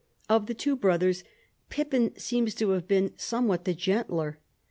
Of the two brothers, Pippin seems to have been somewhat the gentler.